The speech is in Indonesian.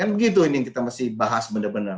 kan begitu ini kita masih bahas benar benar